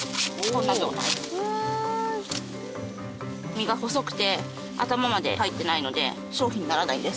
実が細くて頭まで入っていないので商品にならないんです。